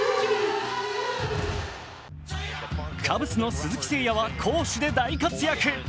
カブスの鈴木誠也は攻守で大活躍。